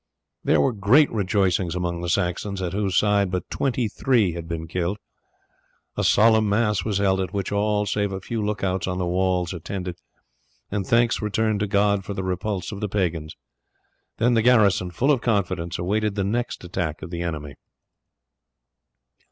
There were great rejoicings among the Saxons, on whose side but twenty three had been killed. A solemn mass was held, at which all save a few look outs on the walls attended, and thanks returned to God for the repulse of the pagans; then the garrison full of confidence awaited the next attack of the enemy.